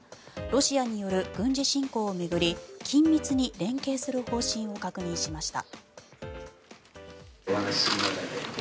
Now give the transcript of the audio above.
ロシアによる軍事侵攻を巡り緊密に連携する方針を確認しました。